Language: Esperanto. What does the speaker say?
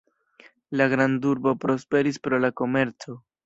La grandurbo prosperis pro la komerco.